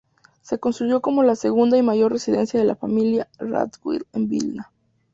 Se construyó como la segunda y mayor residencia de la familia Radziwiłł en Vilna.